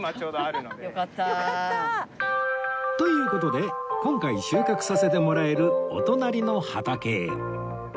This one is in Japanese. という事で今回収穫させてもらえるお隣の畑へ